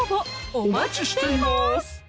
お待ちしています